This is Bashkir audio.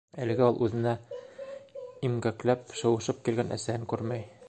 Әлегә ул үҙенә имгәкләп, шыуышып килгән әсәһен күрмәй.